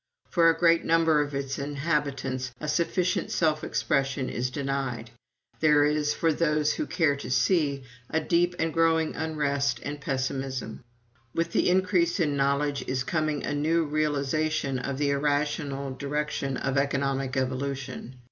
For a great number of its inhabitants a sufficient self expression is denied. There is, for those who care to see, a deep and growing unrest and pessimism. With the increase in knowledge is coming a new realization of the irrational direction of economic evolution.